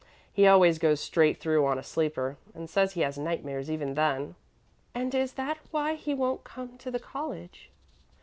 He always goes straight through on a sleeper, and says he has nightmares even then." "And is that why he won't come to the college?"